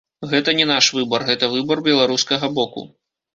Гэта не наш выбар, гэта выбар беларускага боку.